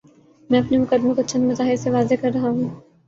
میں اپنے مقدمے کو چند مظاہر سے واضح کر رہا ہوں۔